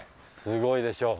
すごいでしょ？